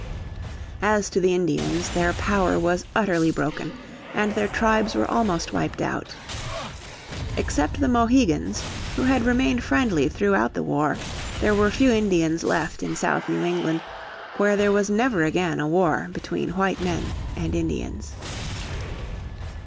As to the Indians their power was utterly broken, and their tribes were almost wiped out. Except the Mohegans, who had remained friendly throughout the war, there were few Indians left in south New England, where there was never again a war between white men and Indians.